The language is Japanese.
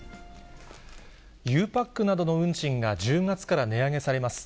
ゆうパックなどの運賃が１０月から値上げされます。